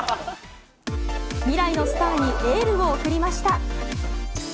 未来のスターにエールを送りました。